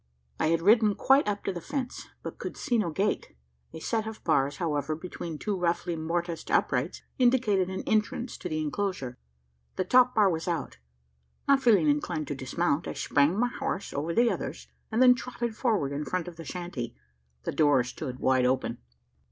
I had ridden quite up to the fence, but could see no gate. A set of bars, however, between two roughly mortised uprights, indicated an entrance to the enclosure. The top bar was out. Not feeling inclined to dismount, I sprang my horse over the others; and then trotted forward in front of the shanty. The door stood wide open.